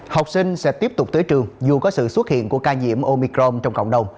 học sinh sẽ tiếp tục tới trường dù có sự xuất hiện của ca nhiễm omicrom trong cộng đồng